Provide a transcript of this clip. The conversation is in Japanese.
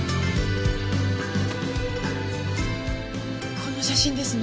この写真ですね。